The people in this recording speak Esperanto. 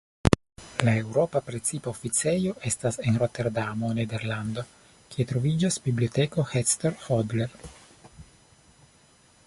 La eŭropa precipa oficejo estas en Roterdamo, Nederlando, kie troviĝas Biblioteko Hector Hodler.